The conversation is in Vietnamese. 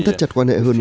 thất chặt quan hệ hơn